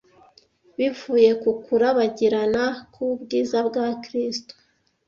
bivuye ku kurabagirana k’ubwiza bwa Kristo.